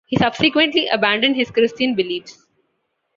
He subsequently abandoned his Christian beliefs.